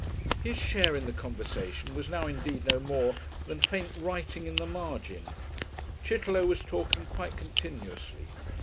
His share in the conversation was now indeed no more than faint writing in the margin; Chitterlow was talking quite continuously.